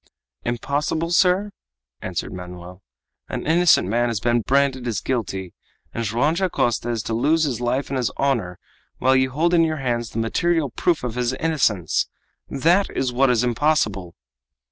"Impossible, sir?" answered Manoel. "An innocent man has been branded as guilty, and Joam Dacosta is to lose his life and his honor while you hold in your hands the material proof of his innocence! That is what is impossible!"